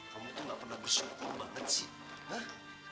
kamu tuh gak pernah bersyukur banget sih